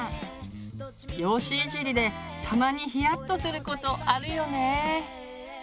容姿いじりでたまにひやっとすることあるよね。